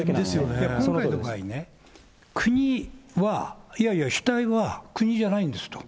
今回の場合ね、国は、いやいや主体は国じゃないんですと。